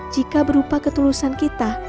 jika berupa ketulusan kita